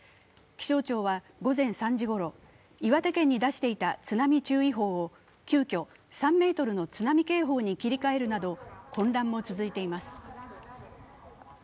気象庁は午前３時ごろ、岩手県に出していた津波注意報を急きょ、３ｍの津波警報に切り替えるなど混乱も続いています。